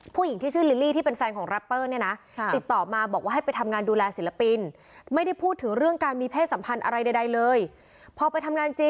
ผู้หญิงที่ชื่อลิลี่ที่เป็นแฟนของรัปเปอร์นี่นะ